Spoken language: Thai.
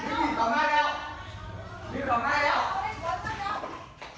ปีดต่อมาแล้ว